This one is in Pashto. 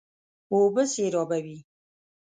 اوبه سېرابوي.